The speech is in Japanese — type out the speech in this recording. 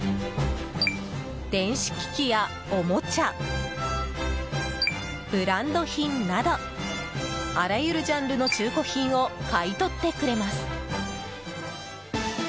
電子機器やおもちゃブランド品などあらゆるジャンルの中古品を買い取ってくれます。